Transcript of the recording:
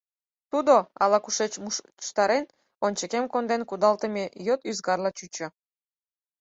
Тудо, ала-кушеч мучыштарен, ончыкем конден кудалтыме йот ӱзгарла чучо.